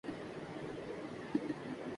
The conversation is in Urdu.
تبتی سلطنت کی تحلیل کے بعد